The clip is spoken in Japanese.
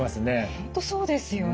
本当そうですよね。